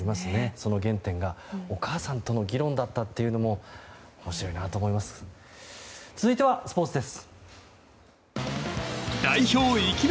その原点が、お母さんとの議論だったというのも面白いなと思います。